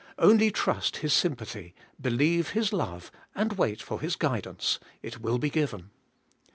Only trust His sympathy, believe His love, and wait for His guidance, — it will be given.